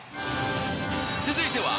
［続いては］